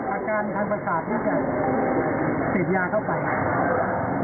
อาการทางประสาทด้วยกันเสพยาเข้าไป